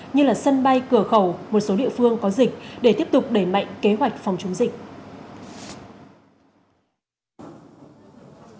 như sân bay cửa khẩu một số địa phương có dịch để tiếp tục đẩy mạnh kế hoạch phòng chống dịch